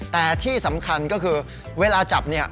แต่ที่สำคัญก็คือเวลาจับเนี่ย